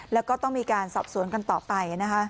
แล้วก็ต้องมีการสอบสวนกันต่อไปนะคะ